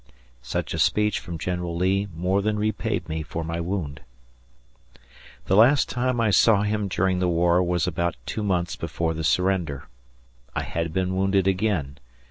Such a speech from General Lee more than repaid me for my wound. The last time I saw him during the war was about two months before the surrender. I had been wounded again.